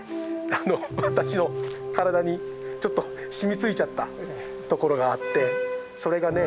あの私の体にちょっとしみついちゃったところがあってそれがね